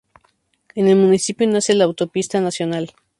En el municipio nace la Autopista Nacional.